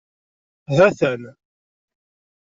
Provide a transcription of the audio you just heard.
Hatan.